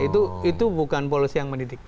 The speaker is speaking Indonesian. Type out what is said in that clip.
itu bukan polisi yang mendidik